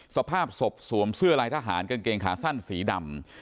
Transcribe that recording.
สภาพศพสวมเสื้อลายทหารกางเกงขาสั้นสีดำ